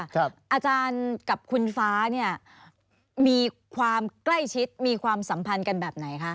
อาจารย์กับคุณฟ้าเนี่ยมีความใกล้ชิดมีความสัมพันธ์กันแบบไหนคะ